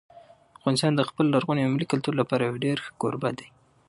افغانستان د خپل لرغوني او ملي کلتور لپاره یو ډېر ښه کوربه دی.